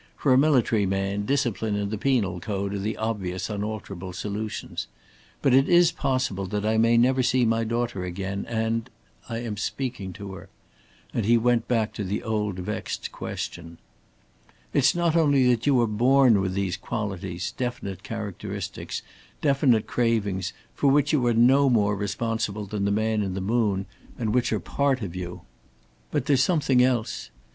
For a military man, discipline and the penal code are the obvious unalterable solutions. But it is possible that I may never see my daughter again and I am speaking to her"; and he went back to the old vexed question. "It's not only that you are born with qualities, definite characteristics, definite cravings, for which you are no more responsible than the man in the moon, and which are part of you. But there's something else.